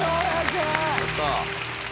やったー。